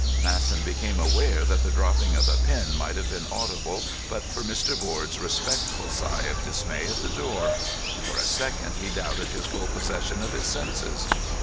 Masson became aware that the dropping of a pin might have been audible but for Mr. Board's respectful sigh of dismay at the door. For a second he doubted his full possession of his senses.